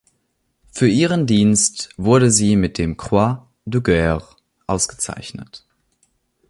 Für ihren Dienst wurde sie mit dem Croix de guerre ausgezeichnet.